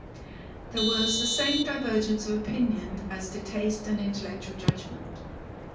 There was the same divergence of opinion as to taste and intellectual judgment.